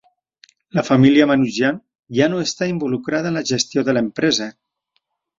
La família Manoogian ja no està involucrada en la gestió de l'empresa.